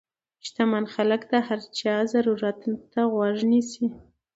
شتمن خلک د هر چا ضرورت ته غوږ نیسي.